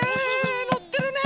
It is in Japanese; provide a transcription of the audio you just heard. のってるね！